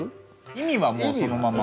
意味はもうそのまま。